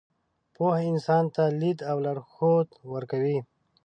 پوهه انسان ته لید او لارښود ورکوي.